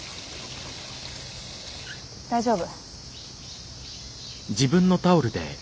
大丈夫。